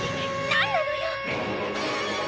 何なのよ！